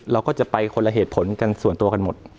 เราก็จะไปคนละเหตุผลกันส่วนตัวกันหมด